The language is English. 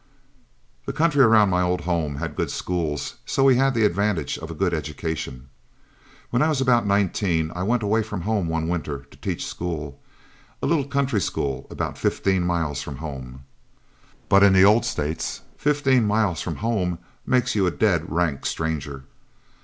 The country around my old home had good schools, so we had the advantage of a good education. When I was about nineteen, I went away from home one winter to teach school a little country school about fifteen miles from home. But in the old States fifteen miles from home makes you a dead rank stranger.